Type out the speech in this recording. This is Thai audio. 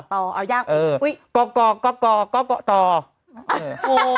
กอกกอกกอกกอกกอกกอกกอกกอกกอนต่อ